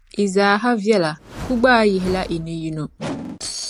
Yi zaa ha viɛla, kul gbaai yihila yi ni yino.